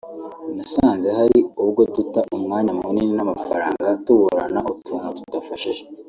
nasanze hari ubwo duta umwanya munini n’amafaranga tuburana utuntu tudafashe